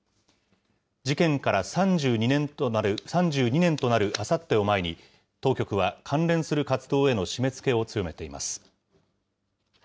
事件から３２年となるあさってを前に、当局は関連する活動への締めつけを強めています。